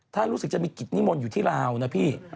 ถ้ารู้สึกจะมีกิจนิมนต์อยู่ที่ลาวนะพี่